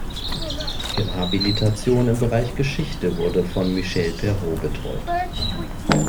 Ihre Habilitation im Bereich Geschichte wurde von Michelle Perrot betreut.